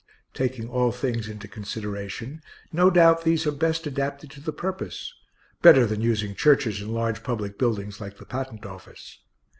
Taking all things into consideration, no doubt these are best adapted to the purpose; better than using churches and large public buildings like the Patent office.